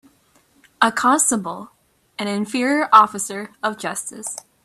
A constable an inferior officer of justice